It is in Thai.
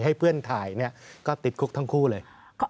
ให้เพื่อนถ่ายเนี่ยก็ติดคุกทั้งคู่เลย